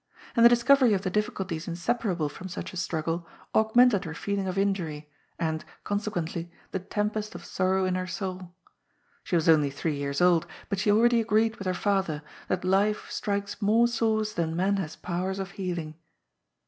And the discovery of the difficulties insepara ble from such a struggle augmented her feeling of injury, and, consequently, the tempest of sorrow in her soul. She was only three years old, but she already agreed with her father, that life strikes more sores than man has powers of healing.